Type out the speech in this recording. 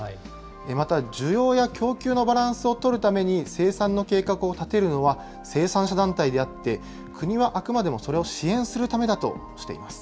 また、需要や供給のバランスを取るために、生産の計画を立てるのは、生産者団体であって、国はあくまでもそれを支援するためだとしています。